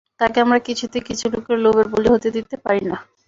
তাকে আমরা কিছুতেই কিছু লোকের লোভের বলি হতে দিতে পারি না।